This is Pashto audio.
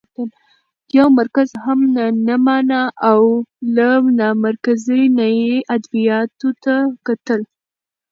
يو مرکز هم نه مانه او له نامرکزۍ نه يې ادبياتو ته کتل؛